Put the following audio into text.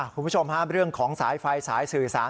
คุณผู้ชมฮะเรื่องของสายไฟสายสื่อสาร